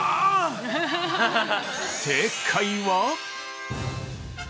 ◆正解は。